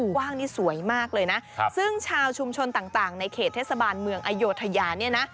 กว้างนี่สวยมากเลยนะซึ่งชาวชุมชนต่างในเขตเทศบาลเมืองอโยธยาเนี่ยนะ